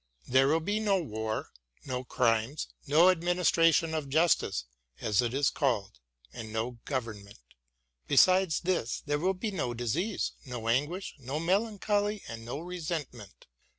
There 88 WILLIAM GODWIN AND will be no war, no crimes, no administration of justice as it is called, and no government. Beside this, there will be no disease, no anguish, no melancholy, and no resentment.